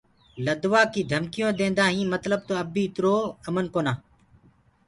لدوآ ڪيٚ ڌمڪيٚونٚ ديندآ هينٚ متلب تو اب بي اِترو امن ڪونا۔